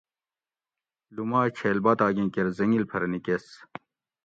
لومائ چھیل باتاگیں کیر حٔنگیل پھر نیکیس